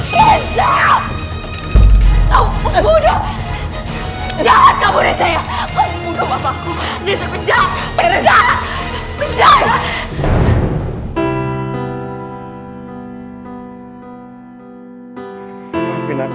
kejut manti daftar